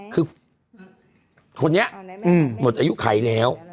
คือคนนี้หมดอายุไขแล้ว